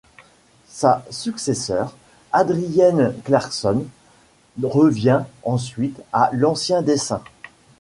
Sa successeur, Adrienne Clarkson, revient ensuite à l'ancien dessin.